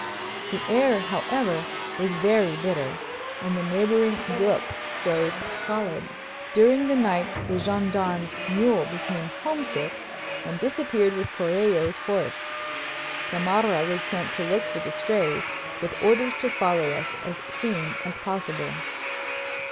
The air, however, was very bitter and the neighboring brook froze solid. During the night the gendarme's mule became homesick and disappeared with Coello's horse. Gamarra was sent to look for the strays, with orders to follow us as soon as possible.